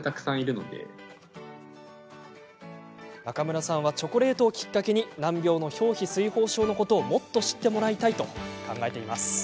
中村さんはチョコレートをきっかけに難病の表皮水ほう症のことをもっと知ってもらいたいと考えています。